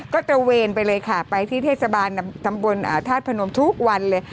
ก็ตระเวนไปเลยค่ะไปที่เทศบาลตำบลธาตุพนมทุกวันเลย